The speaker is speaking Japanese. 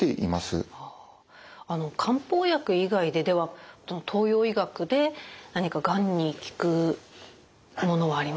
漢方薬以外ででは東洋医学で何かがんに効くものはありますか？